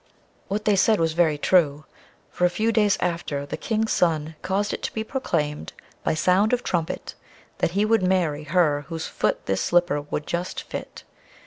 What they said was very true; for a few days after, the King's son caused it to be proclaimed by sound of trumpet, that he would marry her whose foot this slipper would just fit.